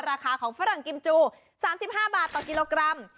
ราคาของฝรั่งกิมจู๓๕บาทต่อกิโลกรัม